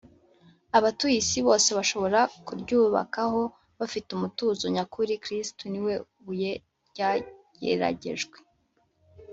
abatuye isi bose bashobora kuryubakaho bafite umutuzo nyakuri kristo ni we buye ryageragejwe